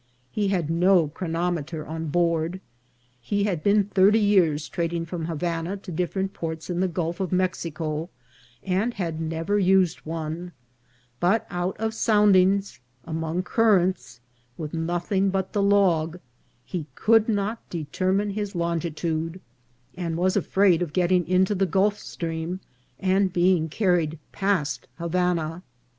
He had no chronometer on board. He had been thirty years trading from Havana to different ports in the Gulf of Mexico, and had never used one ; but out of sound ings, among currents, with nothing but the log, he could not determine his longitude, and was afraid of getting into the Gulf Stream and being carried past Havana.